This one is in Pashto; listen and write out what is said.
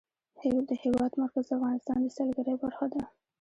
د هېواد مرکز د افغانستان د سیلګرۍ برخه ده.